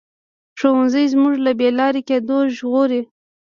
ښوونځی موږ له بې لارې کېدو ژغوري